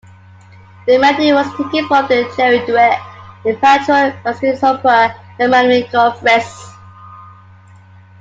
The melody was taken from the "Cherry Duet" in Pietro Mascagni's opera "L'amico Fritz".